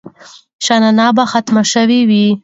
شننه به ختمه شوې وي.